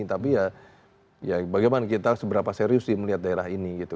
tapi ya bagaimana kita seberapa serius melihat daerah ini